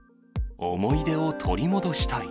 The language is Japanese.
思い出を取り戻したい。